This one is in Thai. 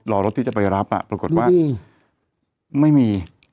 รอรถที่จะไปรับปรากฏว่าไม่มี